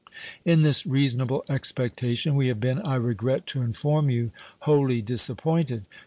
In this reasonable expectation we have been, I regret to inform you, wholly disappointed.